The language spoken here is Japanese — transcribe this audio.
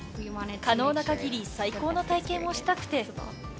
可能なかぎり最高の体験をしたくて。